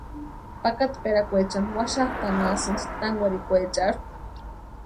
Pakatperakwaecha waxatʼanhasïnti tankwarhikweecharhu.